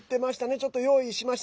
ちょっと用意しました。